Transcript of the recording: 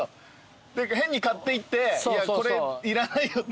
変に買っていっていやこれいらないよって。